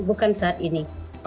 bukan saat ini